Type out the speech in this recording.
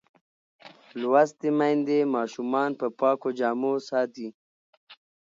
لوستې میندې ماشومان په پاکو جامو ساتي.